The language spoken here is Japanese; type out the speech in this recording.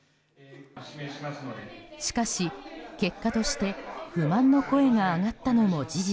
しかし、結果として不満の声が上がったのも事実。